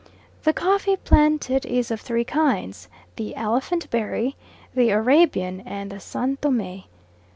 The coffee planted is of three kinds, the Elephant berry, the Arabian, and the San Thome.